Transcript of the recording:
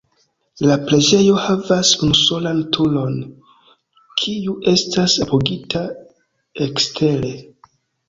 La preĝejo havas unusolan turon, kiu estas apogita ekstere.